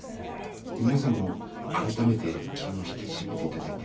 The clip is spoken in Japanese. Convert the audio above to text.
皆さんも改めて気を引き締めていただいて。